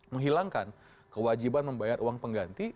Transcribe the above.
menghilangkan kewajiban membayar uang pengganti